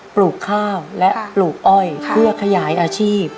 ปลูกข้าวและปลูกอ้อยเพื่อขยายอาชีพ